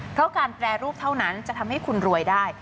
เพราะการแปรรูปเท่านั้นจะทำให้คุณรวยได้